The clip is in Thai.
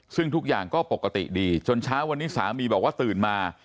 ซึ่งทุกอย่างก็ปกติดีจนเช้าวันนี้สามีบอกว่าตื่นมา